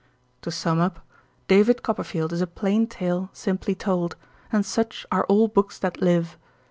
To sum up, "David Copperfield" is a plain tale, simply told; and such are all books that live.